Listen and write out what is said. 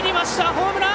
ホームラン！